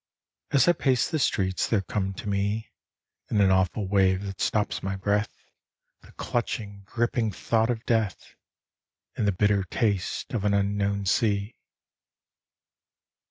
As I pace the streets, there come to me, In an awful wave that stops my breath, The clutching, griping thought of death, And the bitter taste of an unknown sea.